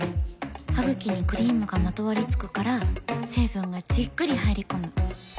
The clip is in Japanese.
ハグキにクリームがまとわりつくから成分がじっくり入り込む。